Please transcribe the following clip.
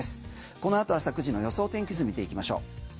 このあと朝９時の予想天気図見ていきましょう。